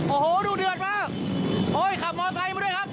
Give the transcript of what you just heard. โอ้โหดูเดือดมากโอ้ยขับมอไซค์มาด้วยครับ